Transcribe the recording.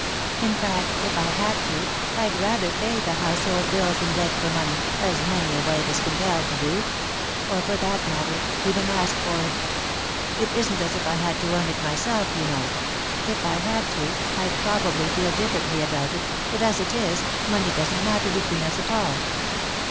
In fact, if I had to, I'd rather pay the household bills than beg for money, as many a wife is compelled to do or, for that matter, even ask for it. It isn't as if I had to earn it myself, you know. If I had to, I'd probably feel differently about it, but, as it is, money doesn't matter between us at all.